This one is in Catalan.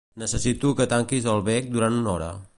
Necessito que tanquis el bec durant una hora.